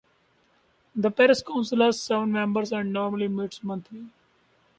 The parish council has seven members and normally meets monthly.